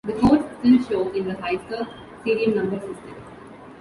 The codes still show in the Hyster serial number system.